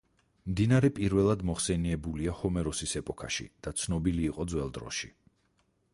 მდინარე პირველად მოხსენებულია ჰომეროსის ეპოქაში და ცნობილი იყო ძველ დროში.